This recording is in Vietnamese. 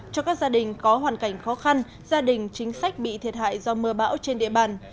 cho các gia đình có hoàn cảnh khó khăn gia đình chính sách bị thiệt hại do mưa bão trên địa bàn